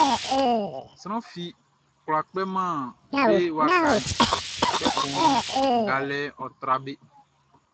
Sran fi kwlá kpɛman be wakaʼn, kpɛkun ngalɛʼn ɔ́ trá be.